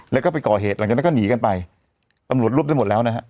แล้วก็ไปก่อเหตุหลังจากนั้นก็หนีกันไปตำรวจรวบได้หมดแล้วนะฮะ